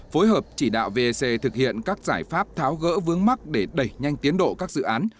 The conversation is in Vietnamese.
phối hợp chỉ đạo vec thực hiện các giải pháp tháo gỡ vướng mắt để đẩy nhanh tiến độ các dự án